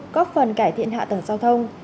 góp phần cải thiện hạ tầng giao thông